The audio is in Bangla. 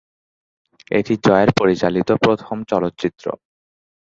এটি জয়ের পরিচালিত প্রথম চলচ্চিত্র।